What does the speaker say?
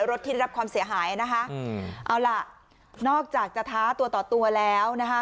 ที่ได้รับความเสียหายนะคะอืมเอาล่ะนอกจากจะท้าตัวต่อตัวแล้วนะคะ